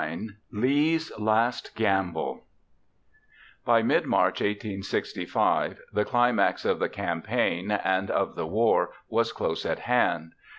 _] LEE'S LAST GAMBLE By mid March 1865 the climax of the campaign, and of the war, was close at hand.